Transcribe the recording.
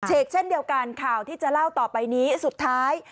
เช่นเดียวกันข่าวที่จะเล่าต่อไปนี้สุดท้าย